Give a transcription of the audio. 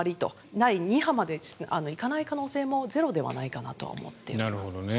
第２波まで行かない可能性もゼロではないと思っています。